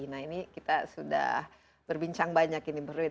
nah ini kita sudah berbincang banyak ini brut